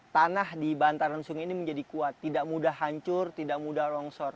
tanah di bantaran sungai ini menjadi kuat tidak mudah hancur tidak mudah longsor